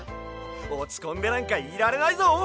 おちこんでなんかいられないぞ！